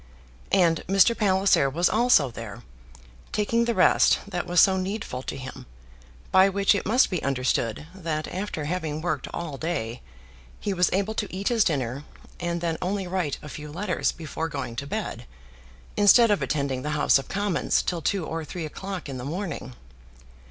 And Mr. Palliser was also there, taking the rest that was so needful to him; by which it must be understood that after having worked all day, he was able to eat his dinner, and then only write a few letters before going to bed, instead of attending the House of Commons till two or three o'clock in the morning.